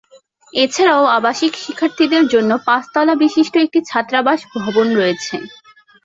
এছাড়াও আবাসিক শিক্ষার্থীদের জন্য পাঁচতলা বিশিষ্ট একটি ছাত্রাবাস ভবন রয়েছে।